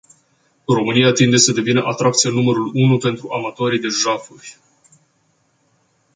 România tinde să devină atracția numărul unu pentru amatorii de jafuri.